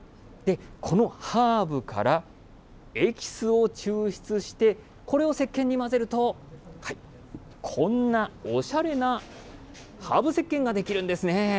このハーブから、エキスを抽出して、これをせっけんに混ぜると、こんなおしゃれなハーブせっけんが出来るんですね。